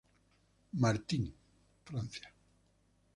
Martin, Francia.